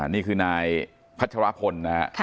นี่คือนายพัชรพล